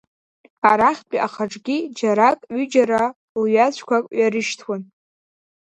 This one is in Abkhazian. Арахьтәи ахәаҿгьы џьарак-ҩыџьара лҩаҵәқәак ҩарышьҭуан.